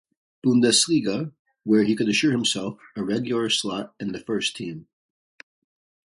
Bundesliga, where he could assure himself a regular slot in the first team.